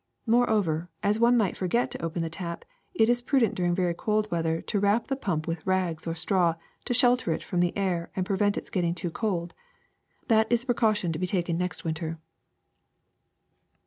Moreover, as one might forget to open the tap, it is prudent during very cold weather to wrap the pump with rags or straw to shelter it from the air and prevent its getting too cold. That is a precaution to be taken next winter."